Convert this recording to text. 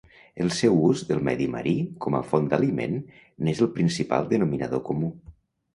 El seu ús del medi marí com a font d'aliment n'és el principal denominador comú.